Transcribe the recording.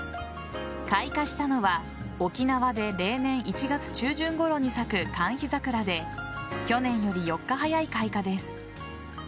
開花したのは沖縄で例年１月中旬頃に咲くカンヒザクラで去年より４日早い開花です。